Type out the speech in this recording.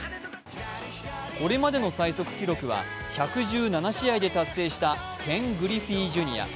これまでの最速記録は１１７試合で達成したケン・グリフィー・ジュニア。